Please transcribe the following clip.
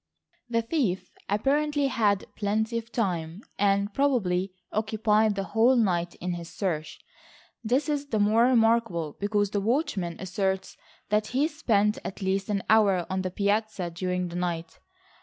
The thief apparently had plenty of time, and probably occupied the whole night in his search. This is the more remarkable because the watchman asserts that he spent at least an hour on the piazza during the night.